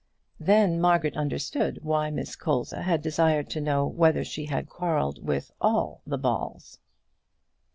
Then Margaret understood why Miss Colza had desired to know whether she had quarrelled with all the Balls.